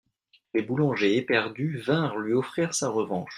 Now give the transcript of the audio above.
Les boulangers éperdus vinrent lui offrir sa revanche.